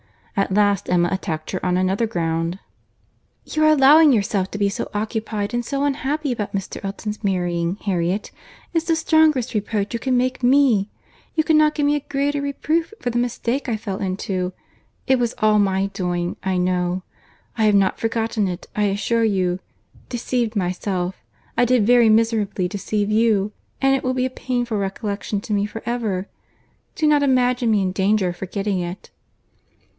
At last Emma attacked her on another ground. "Your allowing yourself to be so occupied and so unhappy about Mr. Elton's marrying, Harriet, is the strongest reproach you can make me. You could not give me a greater reproof for the mistake I fell into. It was all my doing, I know. I have not forgotten it, I assure you.—Deceived myself, I did very miserably deceive you—and it will be a painful reflection to me for ever. Do not imagine me in danger of forgetting it."